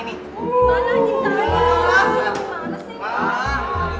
di mana sih